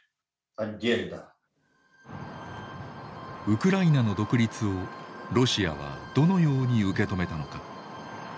ウクライナの独立をロシアはどのように受け止めたのか。